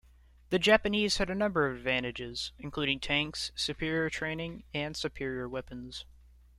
The Japanese had a number of advantages, including tanks, superior training, and superior weapons.